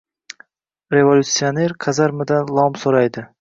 Revolyutsioner kazarmadan lom so‘raydi.